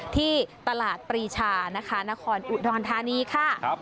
ที่ตลาดปรีชานะคะนครอุดรธานีค่ะ